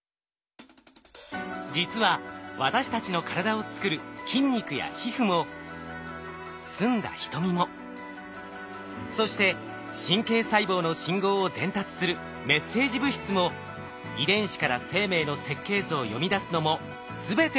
実は私たちの体をつくる筋肉や皮膚も澄んだ瞳もそして神経細胞の信号を伝達するメッセージ物質も遺伝子から生命の設計図を読み出すのも全てタンパク質。